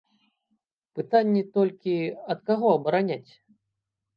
Пытанне толькі, ад каго абараняць?